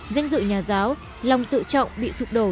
danh dự nhà giáo lòng tự trọng bị sụp đổ